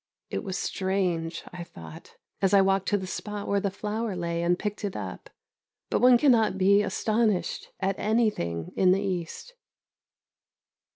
It was strange, I thought, as I walked to the spot where the flower lay and picked it up, but one cannot be astonished at anything in the East.